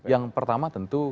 yang pertama tentu